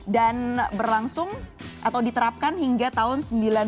dan berlangsung atau diterapkan hingga tahun seribu sembilan ratus tujuh puluh sembilan